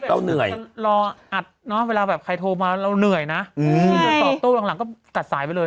เราเหนื่อยรออัดเนอะเวลาแบบใครโทรมาเราเหนื่อยนะตอบโต้หลังก็ตัดสายไปเลย